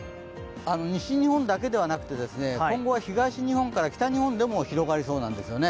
西日本だけではなくて、今後は東日本から北日本でも広がりそうなんですよね。